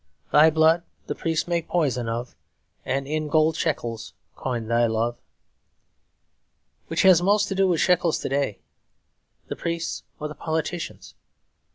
Thy blood the priests make poison of; And in gold shekels coin thy love. Which has most to do with shekels to day, the priests or the politicians?